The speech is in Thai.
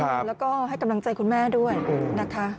แล้วก็ให้กำลังใจคุณแม่ด้วยนะคะ